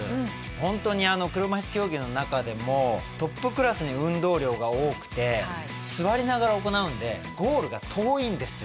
ほんとに車いす競技の中でもトップクラスに運動量が多くて座りながら行うんでゴールが遠いんですよ。